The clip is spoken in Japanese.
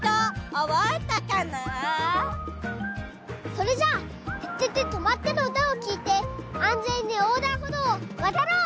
それじゃあ「ててて！とまって！」のうたをきいてあんぜんにおうだんほどうをわたろう！